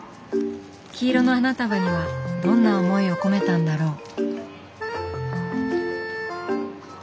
黄色の花束にはどんな思いを込めたんだろう？